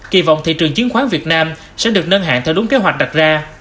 kỳ vọng thị trường chứng khoán việt nam sẽ được nâng hạn theo đúng kế hoạch đặt ra